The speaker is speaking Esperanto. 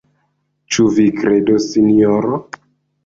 Ĉu vi kredos, sinjoro?